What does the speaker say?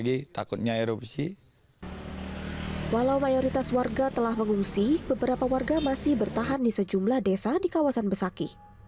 walau mayoritas warga telah mengungsi beberapa warga masih bertahan di sejumlah desa di kawasan besakih